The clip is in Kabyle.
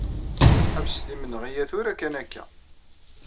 Ḥebset imenɣi-a tura kan akka.